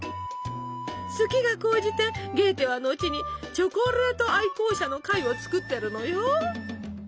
好きが高じてゲーテはのちに「チョコレート愛好者の会」を作ってるのよ。